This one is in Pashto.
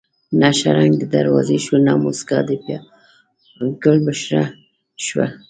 نه شرنګ د دروازې شو نه موسکۍ بیا ګل بشره شوه